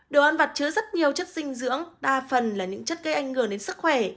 đồ ăn vặt chứa rất nhiều chất dinh dưỡng đa phần là những chất gây ảnh hưởng đến sức khỏe